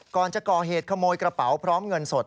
ก่อนจะก่อเหตุขโมยกระเป๋าพร้อมเงินสด